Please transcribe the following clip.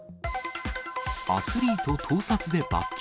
アスリート盗撮で罰金。